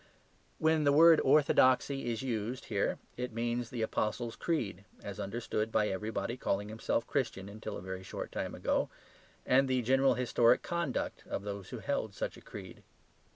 When the word "orthodoxy" is used here it means the Apostles' Creed, as understood by everybody calling himself Christian until a very short time ago and the general historic conduct of those who held such a creed.